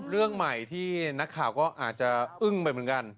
เรื่องใหม่ที่นักข่าวก็อาจจะอึ้งไปเหมือนกัน